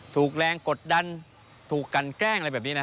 ถูกแรงกดดันถูกกันแกล้งอะไรแบบนี้นะ